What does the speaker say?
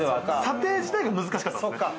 査定自体が難しかった。